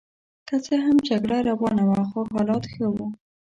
که څه هم جګړه روانه وه خو حالات ښه وو.